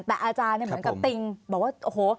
แต่อาจารย์เหมือนกับติงบอกว่าโอ้โห